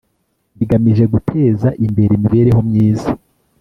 bigamije guteza imbere imibereho myiza